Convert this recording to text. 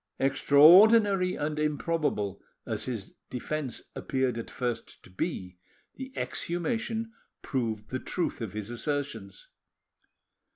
Extraordinary and improbable as his defence appeared at first to be, the exhumation proved the truth of his assertions.